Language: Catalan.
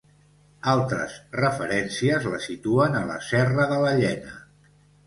Altres referències la situen a la Serra de la Llena.